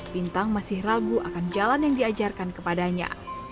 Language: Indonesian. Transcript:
bintang masih ragu akan jalan yang diajarkan kepadanya